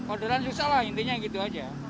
orderan susah lah intinya gitu aja